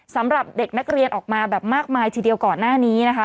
สำหรับเด็กนักเรียนออกมาแบบมากมายทีเดียวก่อนหน้านี้นะคะ